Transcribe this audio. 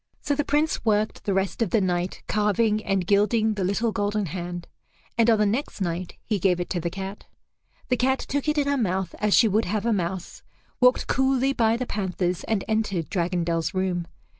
So the Prince worked the rest of the night carving and gilding the little golden hand, and on the next night he gave it to the cat. The cat took it in her mouth as she would have a mouse, walked coolly by the panthers, and entered Dragondel's room.